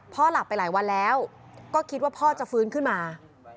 หลับไปหลายวันแล้วก็คิดว่าพ่อจะฟื้นขึ้นมา